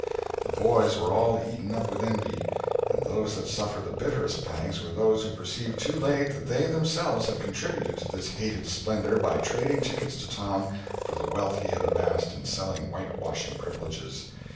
The boys were all eaten up with envy—but those that suffered the bitterest pangs were those who perceived too late that they themselves had contributed to this hated splendor by trading tickets to Tom for the wealth he had amassed in selling whitewashing privileges.